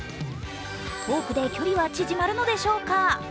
トークで距離は縮まるのでしょうか。